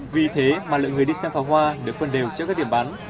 vì thế mà lượng người đi xem pháo hoa được phân đều trước các điểm bán